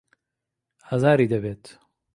ئازاری دەبێت.